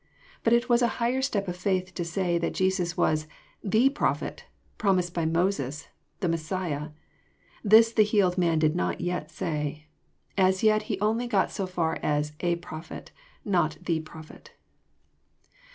But It was a higher step of faith to say that Jesus was "the Prophet" promised by Mo6es, ^the Messiah. This the healed man did not yet say. As yet he only got so far as "a Prophet," not " the Prophet."